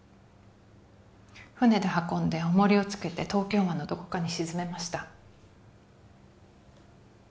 船で運んでおもりをつけて東京湾のどこかに沈めました